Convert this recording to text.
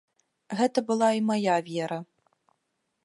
Гэта была і мая вера.